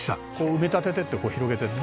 「埋め立てていって広げていった」